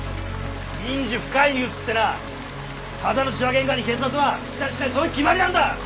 「民事不介入」つってなただの痴話ゲンカに警察は口出ししないそういう決まりなんだ！